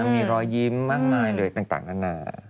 มีรอยยิ้มมากมายเลยต่างนานา